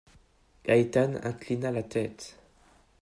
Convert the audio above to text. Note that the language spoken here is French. Gaétane inclina la tête.